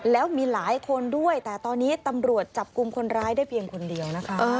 แล้วมีหลายคนด้วยแต่ตอนนี้ตำรวจจับกลุ่มคนร้ายได้เพียงคนเดียวนะคะ